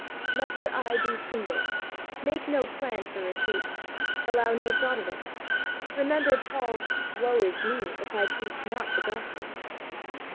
Let your eye be single, make no plan for retreat, allow no thought of it. Remember Paul's "Woe is me, if I preach not the Gospel."